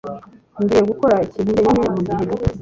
Ngiye gukora ikintu njyenyine mugihe gito.